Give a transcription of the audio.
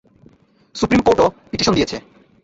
Supreme কোর্টও petition দিয়েছে।